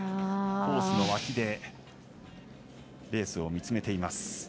コースの脇でレースを見つめています。